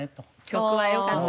曲は良かった。